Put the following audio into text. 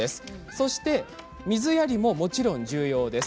そして水やりももちろん重要です。